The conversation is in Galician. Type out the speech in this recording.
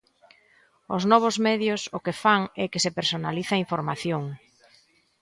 Os novos medios o que fan é que se personalice a información.